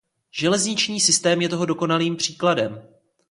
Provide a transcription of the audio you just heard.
Železniční systém je toho dokonalým příkladem.